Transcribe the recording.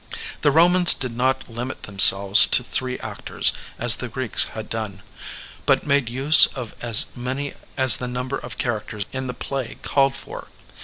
The Bomans did not limit themselves to three actors as the Greeks had done, but made use of as many as the number of characters in the play called for.